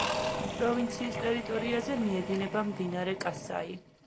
პროვინციის ტერიტორიაზე მიედინება მდინარე კასაი.